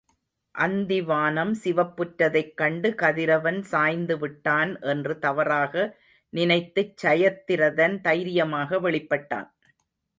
அந்திவானம் சிவப்புற்றதைக் கண்டு கதிரவன் சாய்ந்து விட்டான் என்று தவறாக நினைத்துச் சயத்திரதன் தைரியமாக வெளிப்பட்டான்.